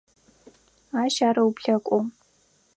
Ащ ар ыуплъэкӏугъ.